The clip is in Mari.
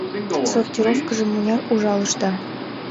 — Сортировкыжым мыняр ужалышда?